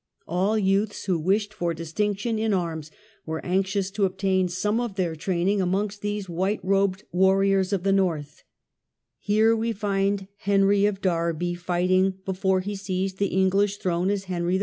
All youths who wished for distinction in arms were anxious to obtain some of their training amongst these white robed warriors of the North ; here we find Henry of Derby fighting, before he seized the English throne as Henry IV.